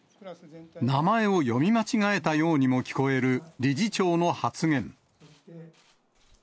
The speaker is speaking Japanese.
名前を読み間違えたようにも聞こえる理事長の発言。